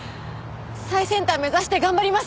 最先端目指して頑張ります。